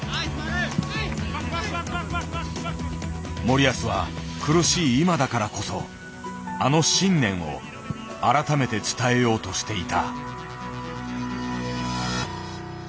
森保は苦しい今だからこそあの信念を改めて伝えようとしていた。